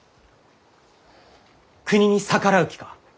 国に逆らう気か？